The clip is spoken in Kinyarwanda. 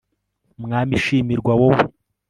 mwami shimirwa , wowe